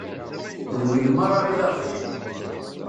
D win merra i d aɣbel.